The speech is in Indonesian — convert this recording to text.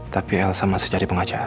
tapi elsa masih jadi pengajar